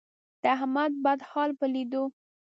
د احمد بد حال په لیدو،